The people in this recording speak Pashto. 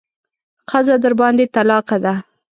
ښځه درباندې طلاقه ده.